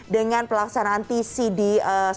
dengan pelaksanaan t c di ee